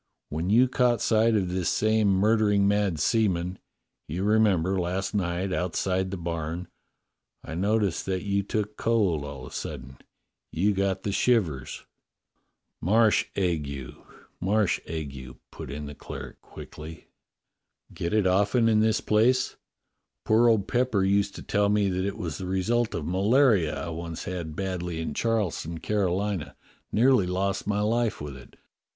"When you caught sight of this same murdering mad seaman — you remember, last night, outside the barn — I noticed that you took cold all of a sudden; you got the shivers." "Marsh ague — marsh ague," put in the cleric quickly. 150 DOCTOR SYN "Get it often in this place. Poor old Pepper used to tell me that it was the result of malaria I once had badly in Charleston, Carolina; nearly lost my life with it.